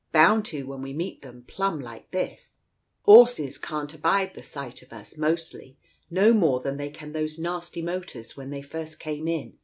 Bound to, when we meet them plumb like this ! 'Orses can't abide the sight of us, mostly, no more than they could those nasty motors when they first came in.